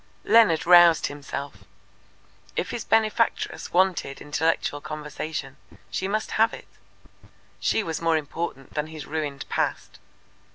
Leonard roused himself. If his benefactress wanted intellectual conversation, she must have it. She was more important than his ruined past.